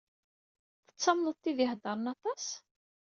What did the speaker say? Tettamneḍ tid i iheddṛen aṭas?